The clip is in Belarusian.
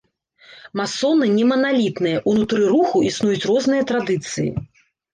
Масоны не маналітныя, унутры руху існуюць розныя традыцыі.